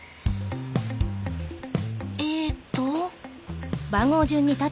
えっと。